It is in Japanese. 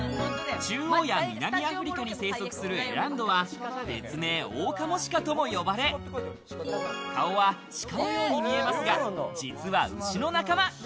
中央や南アフリカに生息するエランドはオオカモシカとも呼ばれ、顔は鹿のように見えますが、実は牛の仲間。